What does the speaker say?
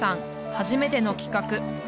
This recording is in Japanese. はじめての企画。